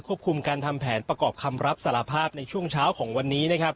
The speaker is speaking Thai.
คุมการทำแผนประกอบคำรับสารภาพในช่วงเช้าของวันนี้นะครับ